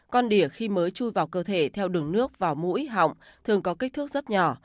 con đỉa khi mới chui vào cơ thể theo đường nước và mũi họng thường có kích thước rất nhỏ